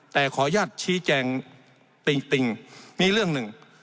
แต่ขออนุญาตชี้แจงติ่งมีเรื่องหนึ่ง